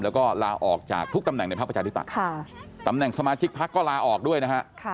แล้วก็ลาออกจากทุกตำแหน่งในพักประชาธิปัตย์ตำแหน่งสมาชิกพักก็ลาออกด้วยนะฮะ